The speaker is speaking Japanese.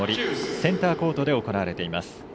センターコートで行われています。